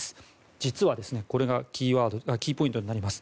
実は、これがキーポイントになります。